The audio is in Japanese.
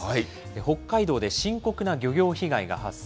北海道で深刻な漁業被害が発生。